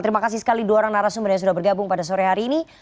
terima kasih sekali dua orang narasumber yang sudah bergabung pada sore hari ini